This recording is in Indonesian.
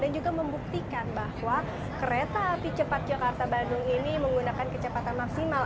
dan juga membuktikan bahwa kereta api cepat jakarta bandung ini menggunakan kecepatan maksimal